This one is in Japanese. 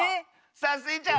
さあスイちゃん